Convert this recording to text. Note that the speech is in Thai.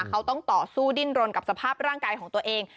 เขาต้องต่อสู้ดิ้นรนกับสภาพร่างกายของตัวเอง